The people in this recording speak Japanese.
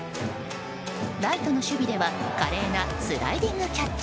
ライトの守備では華麗なスライディングキャッチ！